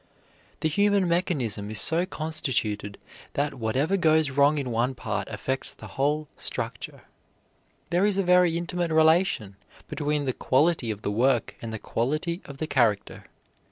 The human mechanism is so constituted that whatever goes wrong in one part affects the whole structure. There is a very intimate relation between the quality of the work and the quality of the character.